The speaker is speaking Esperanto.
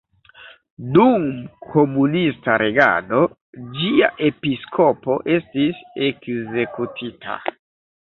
Dum komunista regado ĝia episkopo estis ekzekutita.